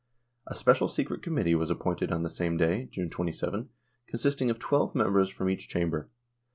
A Special Secret Committee was appointed on the same day (June 27), consisting of twelve members from each Chamber.